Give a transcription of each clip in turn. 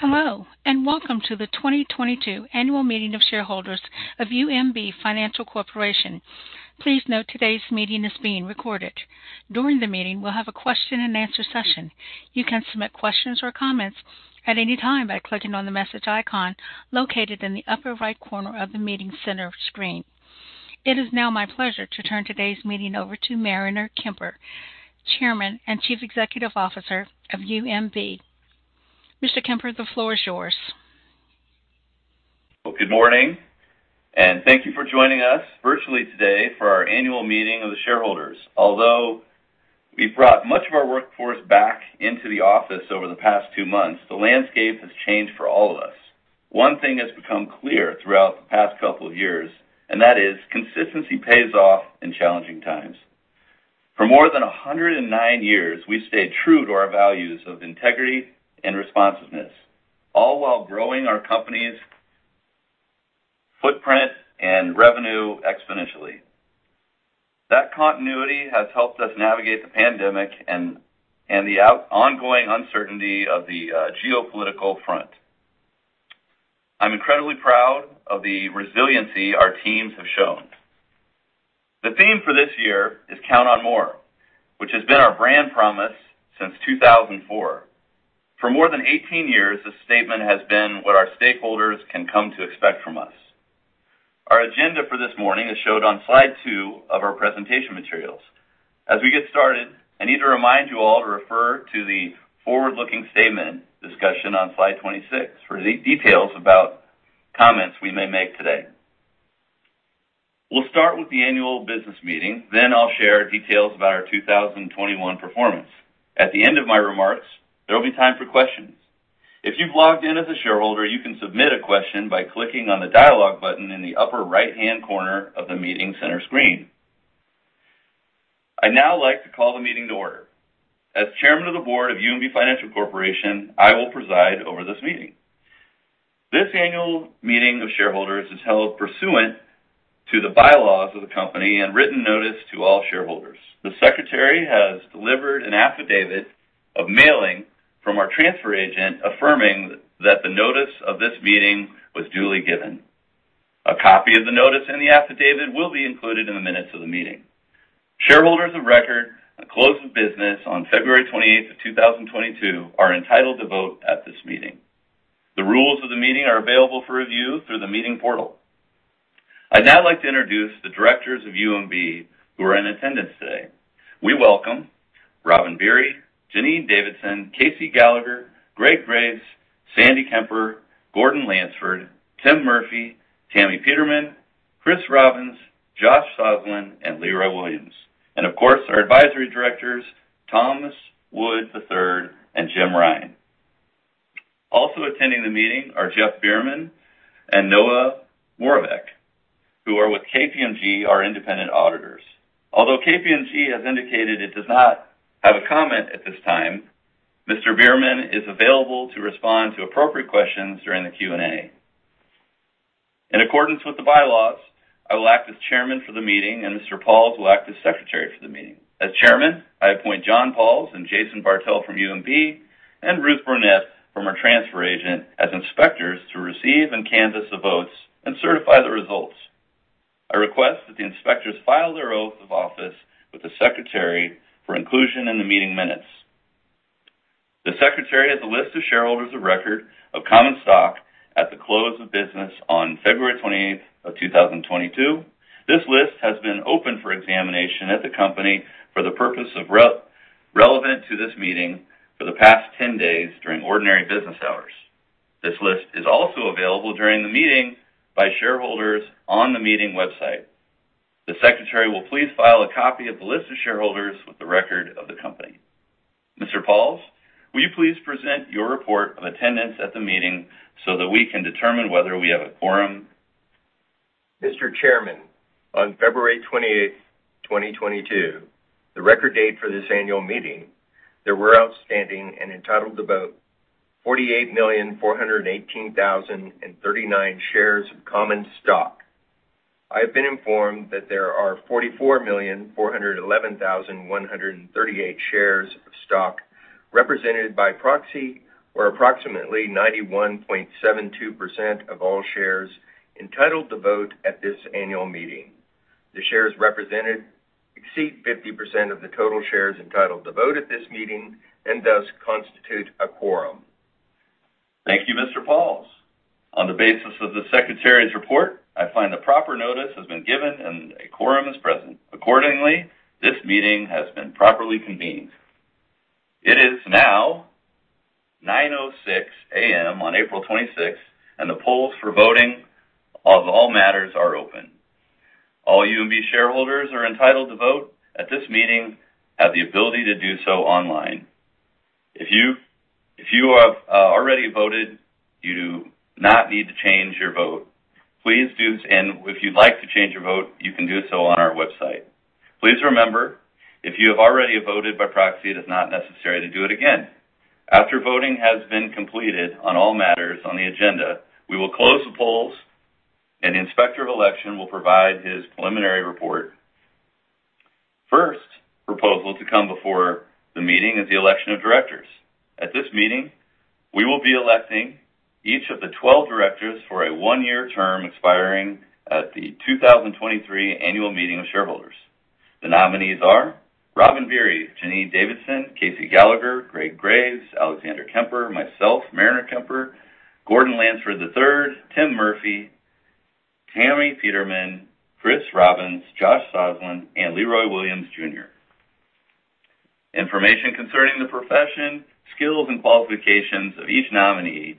Hello, and welcome to the 2022 Annual Meeting of Shareholders of UMB Financial Corporation. Please note today's meeting is being recorded. During the meeting, we'll have a question and answer session. You can submit questions or comments at any time by clicking on the message icon located in the upper right corner of the meeting center screen. It is now my pleasure to turn today's meeting over to Mariner Kemper, Chairman and Chief Executive Officer of UMB. Mr. Kemper, the floor is yours. Well, good morning, and thank you for joining us virtually today for our annual meeting of the shareholders. Although we've brought much of our workforce back into the office over the past two months, the landscape has changed for all of us. One thing has become clear throughout the past couple of years, and that is consistency pays off in challenging times. For more than 109 years, we stayed true to our values of integrity and responsiveness, all while growing our company's footprint and revenue exponentially. That continuity has helped us navigate the pandemic and the ongoing uncertainty of the geopolitical front. I'm incredibly proud of the resiliency our teams have shown. The theme for this year is Count on more, which has been our brand promise since 2004. For more than 18 years, this statement has been what our stakeholders can come to expect from us. Our agenda for this morning is shown on slide two of our presentation materials. As we get started, I need to remind you all to refer to the forward-looking statement discussion on slide 26 for details about comments we may make today. We'll start with the annual business meeting, then I'll share details about our 2021 performance. At the end of my remarks, there will be time for questions. If you've logged in as a shareholder, you can submit a question by clicking on the dialogue button in the upper right-hand corner of the meeting center screen. I'd now like to call the meeting to order. As Chairman of the Board of UMB Financial Corporation, I will preside over this meeting. This annual meeting of shareholders is held pursuant to the bylaws of the company and written notice to all shareholders. The Secretary has delivered an affidavit of mailing from our transfer agent affirming that the notice of this meeting was duly given. A copy of the notice in the affidavit will be included in the minutes of the meeting. Shareholders of record at close of business on February 28th, 2022 are entitled to vote at this meeting. The rules of the meeting are available for review through the meeting portal. I'd now like to introduce the directors of UMB who are in attendance today. We welcome Robin Beery, Janine Davidson, Kevin Gallagher, Greg Graves, Alexander Kemper, Gordon Lansford, Tim Murphy, Tamara Peterman, Kris Robbins, Josh Sosland, and Leroy Williams. Of course, our advisory directors, Thomas Wood III and Jim Ryan. Also attending the meeting are Jeff Bierman and Noah Moravec, who are with KPMG, our independent auditors. Although KPMG has indicated it does not have a comment at this time, Mr. Bierman is available to respond to appropriate questions during the Q&A. In accordance with the bylaws, I will act as Chairman for the meeting, and Mr. Pauls will act as Secretary for the meeting. As Chairman, I appoint John Pauls and Jason Bartel from UMB and Ruth Burnette from our transfer agent as inspectors to receive and canvass the votes and certify the results. I request that the inspectors file their oath of office with the Secretary for inclusion in the meeting minutes. The Secretary has a list of shareholders of record of common stock at the close of business on February 28, 2022. This list has been open for examination at the company for the purpose of relevant to this meeting for the past 10 days during ordinary business hours. This list is also available during the meeting by shareholders on the meeting website. The Secretary will please file a copy of the list of shareholders with the record of the company. Mr. Pauls, will you please present your report of attendance at the meeting so that we can determine whether we have a quorum? Mr. Chairman, on February 28, 2022, the record date for this annual meeting, there were outstanding and entitled to vote 48,418,039 shares of common stock. I have been informed that there are 44,411,138 shares of stock represented by proxy or approximately 91.72% of all shares entitled to vote at this annual meeting. The shares represented exceed 50% of the total shares entitled to vote at this meeting and thus constitute a quorum. Thank you, Mr. Pauls. On the basis of the Secretary's report, I find the proper notice has been given and a quorum is present. Accordingly, this meeting has been properly convened. It is now 9:06 A.M. on April 26th, and the polls for voting of all matters are open. All UMB shareholders are entitled to vote at this meeting have the ability to do so online. If you have already voted, you do not need to change your vote. And if you'd like to change your vote, you can do so on our website. Please remember, if you have already voted by proxy, it is not necessary to do it again. After voting has been completed on all matters on the agenda, we will close the polls, and the Inspector of Election will provide his preliminary report. The proposal to come before the meeting is the election of directors. At this meeting, we will be electing each of the 12 directors for a one-year term expiring at the 2023 annual meeting of shareholders. The nominees are Robin Beery, Janine Davidson, Kevin Gallagher, Greg Graves, Alexander Kemper, myself, Mariner Kemper, Gordon Lansford III, Tim Murphy, Tamara Peterman, Kris Robbins, Josh Sosland, and Leroy Williams Jr. Information concerning the profession, skills, and qualifications of each nominee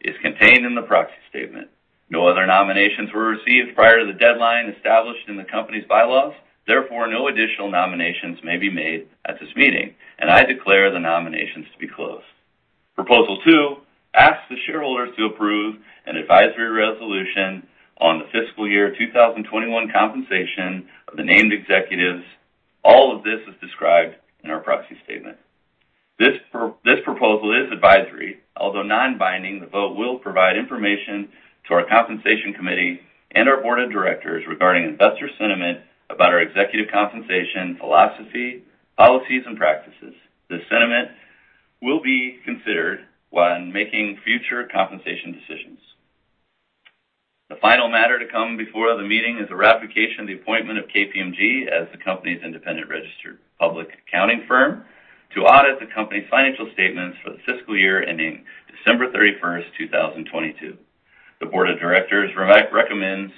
is contained in the proxy statement. No other nominations were received prior to the deadline established in the company's bylaws. Therefore, no additional nominations may be made at this meeting. I declare the nominations to be closed. Proposal two asks the shareholders to approve an advisory resolution on the fiscal year 2021 compensation of the named executives. All of this is described in our proxy statement. This proposal is advisory. Although non-binding, the vote will provide information to our compensation committee and our board of directors regarding investor sentiment about our executive compensation philosophy, policies, and practices. This sentiment will be considered when making future compensation decisions. The final matter to come before the meeting is a ratification of the appointment of KPMG as the company's independent registered public accounting firm to audit the company's financial statements for the fiscal year ending December 31st, 2022. The board of directors recommends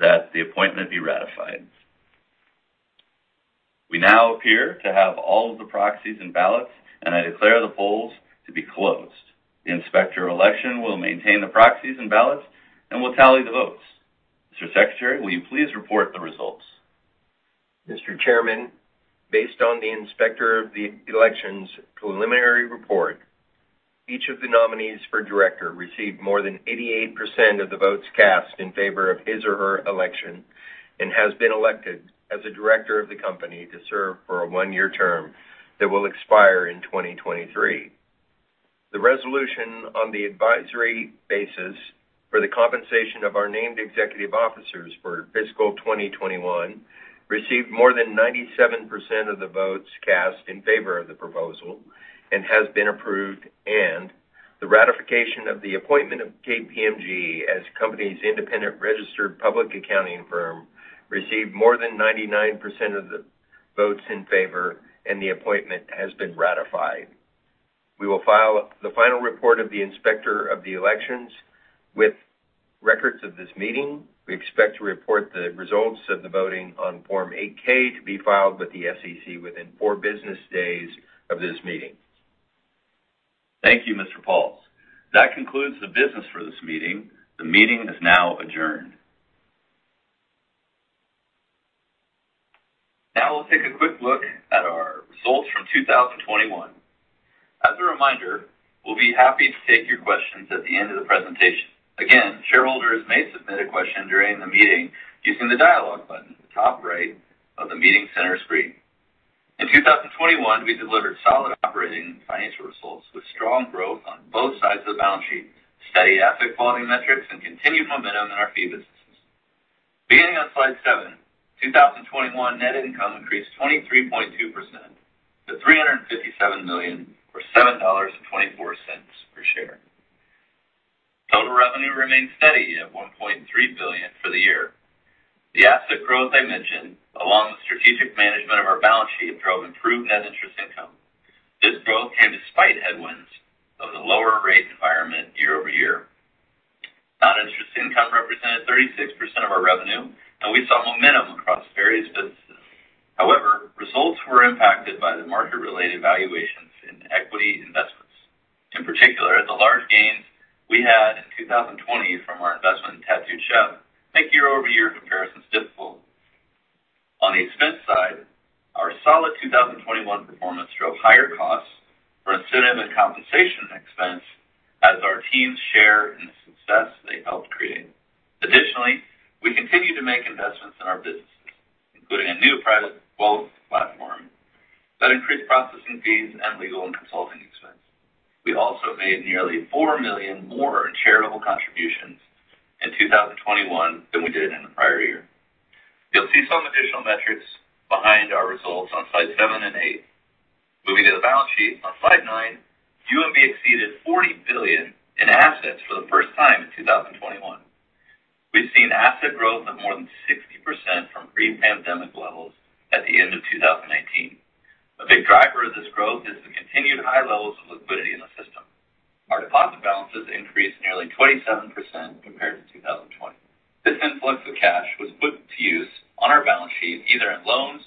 that the appointment be ratified. We now appear to have all of the proxies and ballots, and I declare the polls to be closed. The Inspector of Election will maintain the proxies and ballots and will tally the votes. Mr. Secretary, will you please report the results? Mr. Chairman, based on the Inspector of the Elections preliminary report, each of the nominees for director received more than 88% of the votes cast in favor of his or her election and has been elected as a director of the company to serve for a one-year term that will expire in 2023. The resolution on the advisory basis for the compensation of our named executive officers for fiscal 2021 received more than 97% of the votes cast in favor of the proposal and has been approved. The ratification of the appointment of KPMG as the company's independent registered public accounting firm received more than 99% of the votes in favor and the appointment has been ratified. We will file the final report of the Inspector of the Elections with records of this meeting. We expect to report the results of the voting on Form 8-K to be filed with the SEC within four business days of this meeting. Thank you, Mr. Pauls. That concludes the business for this meeting. The meeting is now adjourned. Now we'll take a quick look at our results from 2021. As a reminder, we'll be happy to take your questions at the end of the presentation. Again, shareholders may submit a question during the meeting using the dialogue button at the top right of the meeting center screen. In 2021, we delivered solid operating and financial results with strong growth on both sides of the balance sheet, steady asset quality metrics, and continued momentum in our fee businesses. Beginning on slide seven, 2021 net income increased 23.2% to $357 million or $7.24 per share. Total revenue remained steady at $1.3 billion for the year. The asset growth I mentioned, along with strategic management of our balance sheet, drove improved net interest income. This growth came despite headwinds of the lower rate environment year-over-year. Non-interest income represented 36% of our revenue, and we saw momentum across various businesses. However, results were impacted by the market-related valuations in equity investments. In particular, the large gains we had in 2020 from our investment in Tattooed Chef make year-over-year comparisons difficult. On the expense side, our solid 2021 performance drove higher costs for incentive and compensation expense as our teams share in the success they helped create. Additionally, we continue to make investments in our businesses, including a new private wealth platform that increased processing fees and legal and consulting expense. We also made nearly $4 million more in charitable contributions in 2021 than we did in the prior year. You'll see some additional metrics behind our results on slide seven and eight. Moving to the balance sheet on slide nine, UMB exceeded $40 billion in assets for the first time in 2021. We've seen asset growth of more than 60% from pre-pandemic levels at the end of 2019. A big driver of this growth is the continued high levels of liquidity in the system. Our deposit balances increased nearly 27% compared to 2020. This influx of cash was put to use on our balance sheet, either in loans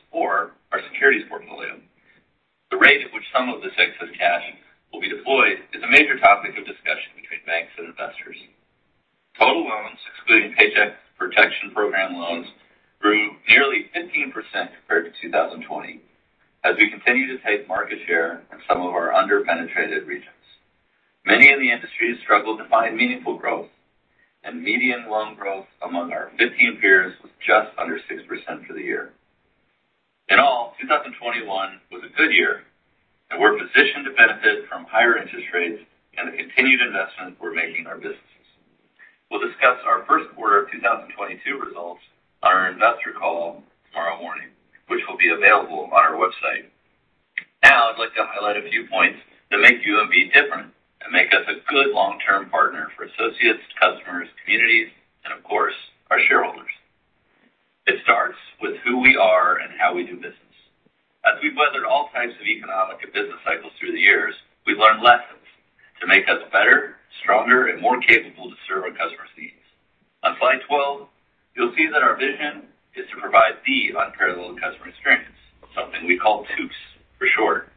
you'll see that our vision is to provide the unparalleled customer experience. Something we call TUCE for short.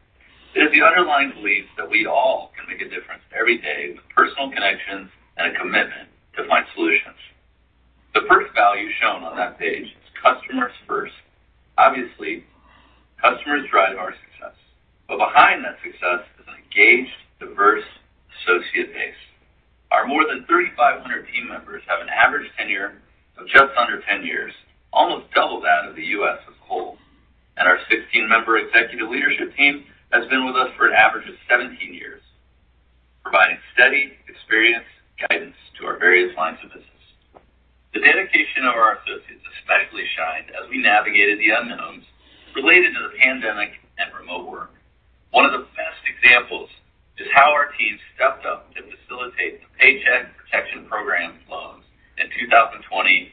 It is the underlying belief that we all can make a difference every day with personal connections and a commitment to find solutions. The first value shown on that page is customers first. Obviously, customers drive our success. But behind that success is an engaged, diverse associate base. Our more than 3,500 team members have an average tenure of just under 10 years, almost double that of the U.S. as a whole. Our 16-member executive leadership team has been with us for an average of 17 years, providing steady experience and guidance to our various lines of business. The dedication of our associates especially shined as we navigated the unknowns related to the pandemic and remote work. One of the best examples is how our team stepped up to facilitate the Paycheck Protection Program loans in 2020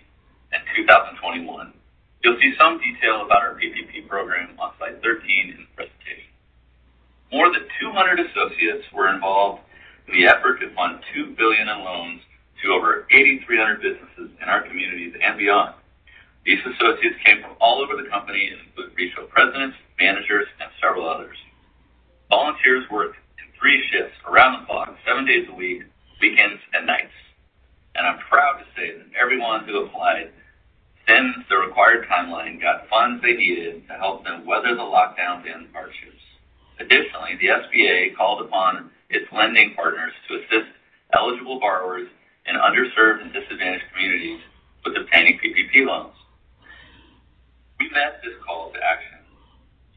and 2021. You'll see some detail about our PPP program on slide 13 in the presentation. More than 200 associates were involved in the effort to fund $2 billion in loans to over 8,300 businesses in our communities and beyond. These associates came from all over the company and include regional presidents, managers, and several others. Volunteers worked in three shifts around the clock, seven days a week, weekends and nights. I'm proud to say that everyone who applied within the required timeline got funds they needed to help them weather the lockdowns and hardships. Additionally, the SBA called upon its lending partners to assist eligible borrowers in underserved and disadvantaged communities with obtaining PPP loans. We met this call to action.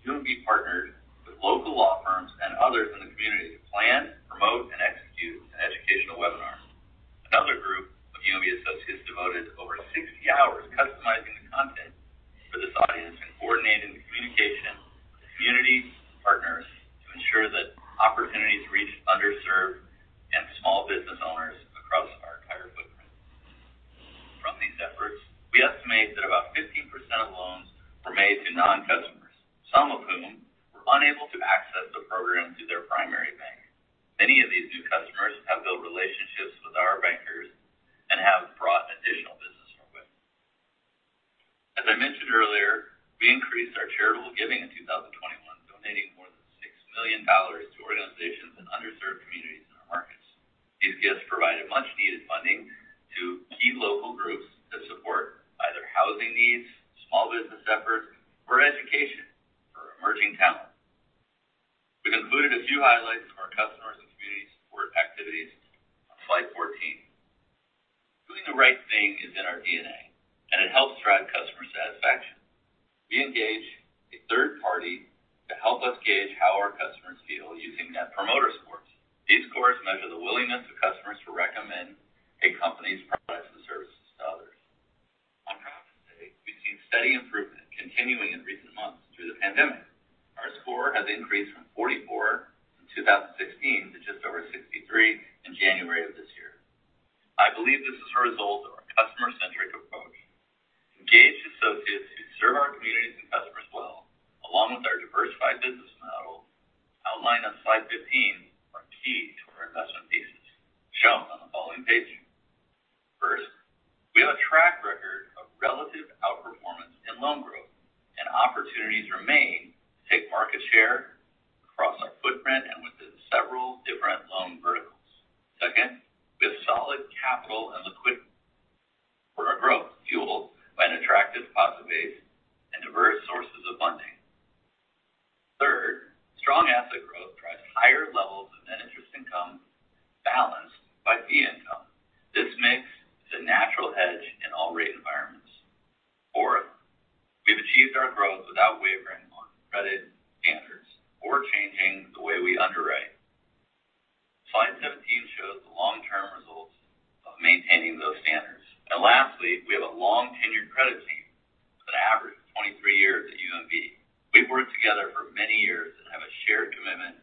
UMB partnered with local law firms and others in the community to plan, promote, and execute an educational webinar. Another group of UMB associates devoted over 60 hours customizing the content for this audience and coordinating the communication with the communities and partners to ensure that opportunities reached underserved and small business owners across our entire footprint. From these efforts, we estimate that about 15% of loans were made to non-customers, some of whom were unable to access the program through their primary bank. Many of these new customers have built relationships with our bankers and have brought additional business our way. As I mentioned earlier, we increased our charitable giving in 2021, donating more than $6 million to organizations in underserved communities in our markets. These gifts provided much-needed funding to key local groups that support either housing needs, small business efforts, or education for emerging talent. We've included a few highlights of our customers and community support activities on slide 14. Doing the right thing is in our DNA, and it helps drive customer satisfaction. We engage a third party to help us gauge how our customers feel using net promoter scores. These scores measure the willingness of customers to recommend a company's or changing the way we underwrite. Slide 17 shows the long-term results of maintaining those standards. Lastly, we have a long-tenured credit team with an average of 23 years at UMB. We've worked together for many years and have a shared commitment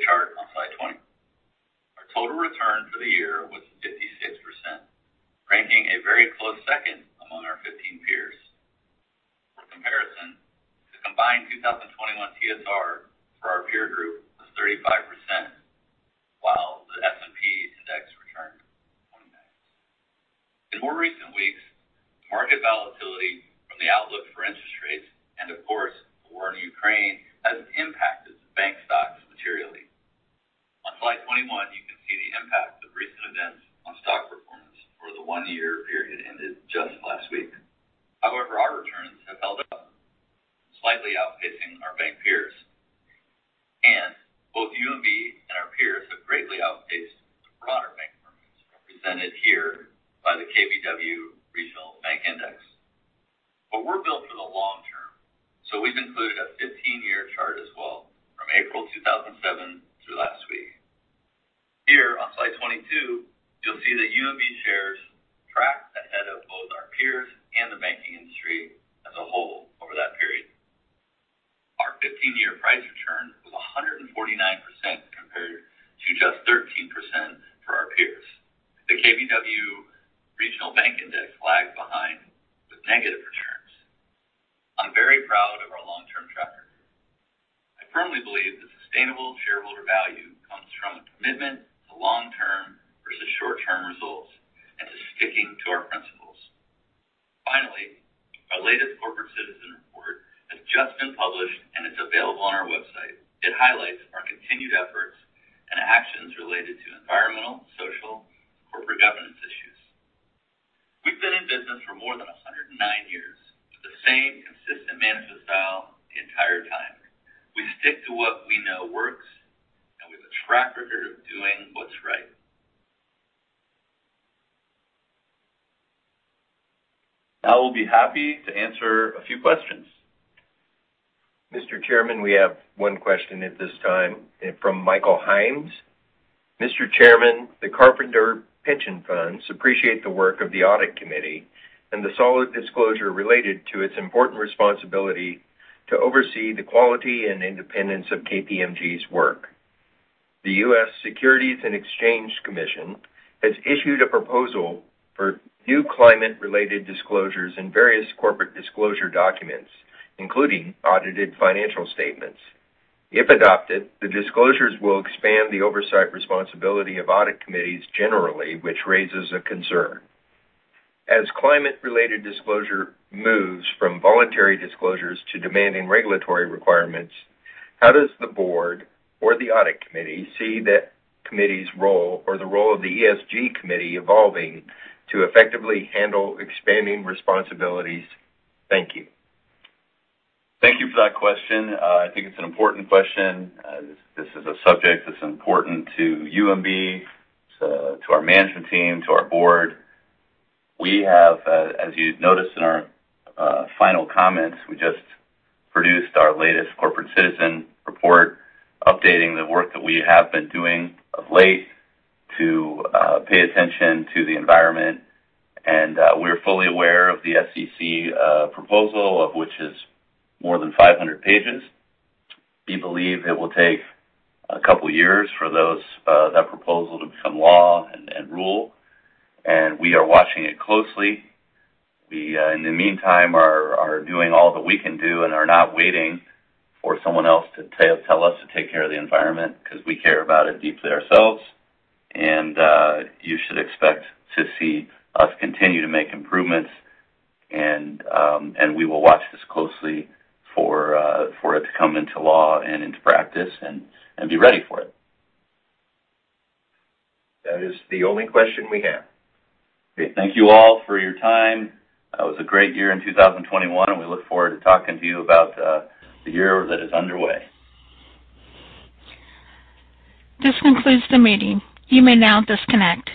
chart on slide 20. Our total return for the year was 56%, ranking a very close second among our 15 peers. For comparison, the combined 2021 TSR for our peer group was 35%, while the S&P index returned 29%. In more recent weeks, market volatility from the outlook for interest rates, and of course, the war in Ukraine, has impacted bank stocks materially. On slide 21, you can see the impact of recent events on stock performance for the one-year period ended just last week. However, our returns have held up, slightly outpacing our bank peers. Both UMB and our peers have greatly outpaced the broader bank performance represented here by the KBW Regional Banking Index. We're built for the long term, so we've included a 15-year chart as well from April 2007 through last week. Here on slide 22, you'll see that UMB shares tracked ahead of both our peers and the banking industry as a whole over that period. Our 15-year price return was 149% compared to just 13% for our peers. The KBW Regional Banking Index lagged behind with negative returns. I'm very proud of our long-term tracker. I firmly believe that sustainable shareholder value comes from a commitment to long-term versus short-term results and to sticking to our principles. Finally, our latest corporate citizen report has just been published, and it's available on our website. It highlights our continued efforts and actions related to environmental, social, and corporate governance issues. We've been in business for more than 109 years with the same consistent management style the entire time. We stick to what we know works, and we have a track record of doing what's right. Now we'll be happy to answer a few questions. Mr. Chairman, we have one question at this time from Michael Hines. Mr. Chairman, the Carpenter Pension Funds appreciate the work of the audit committee and the solid disclosure related to its important responsibility to oversee the quality and independence of KPMG's work. The U.S. Securities and Exchange Commission has issued a proposal for new climate-related disclosures in various corporate disclosure documents, including audited financial statements. If adopted, the disclosures will expand the oversight responsibility of audit committees generally, which raises a concern. As climate-related disclosure moves from voluntary disclosures to demanding regulatory requirements, how does the board or the audit committee see that committee's role or the role of the ESG committee evolving to effectively handle expanding responsibilities? Thank you. Thank you for that question. I think it's an important question. This is a subject that's important to UMB, to our management team, to our board. As you noticed in our final comments, we just produced our latest corporate citizen report updating the work that we have been doing of late to pay attention to the environment. We're fully aware of the SEC proposal, of which is more than 500 pages. We believe it will take a couple years for that proposal to become law and rule. We are watching it closely. We in the meantime are doing all that we can do and are not waiting for someone else to tell us to take care of the environment because we care about it deeply ourselves. You should expect to see us continue to make improvements and we will watch this closely for it to come into law and into practice and be ready for it. That is the only question we have. Okay. Thank you all for your time. It was a great year in 2021, and we look forward to talking to you about the year that is underway. This concludes the meeting. You may now disconnect.